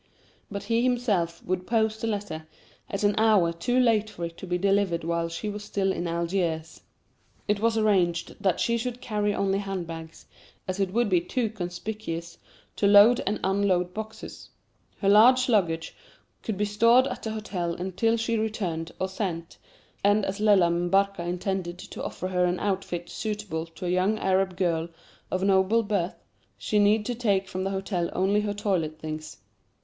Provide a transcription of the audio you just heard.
But he himself would post the letter at an hour too late for it to be delivered while she was still in Algiers. It was arranged that she should carry only hand bags, as it would be too conspicuous to load and unload boxes. Her large luggage could be stored at the hotel until she returned or sent, and as Lella M'Barka intended to offer her an outfit suitable to a young Arab girl of noble birth, she need take from the hotel only her toilet things.